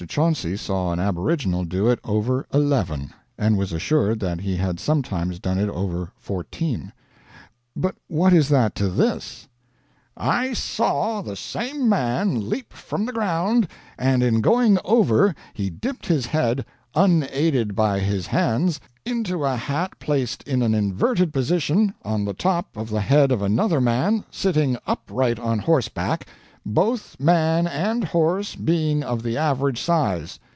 Chauncy saw an aboriginal do it over eleven; and was assured that he had sometimes done it over fourteen. But what is that to this: "I saw the same man leap from the ground, and in going over he dipped his head, unaided by his hands, into a hat placed in an inverted position on the top of the head of another man sitting upright on horseback both man and horse being of the average size.